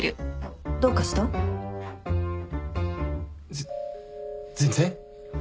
ぜっ全然。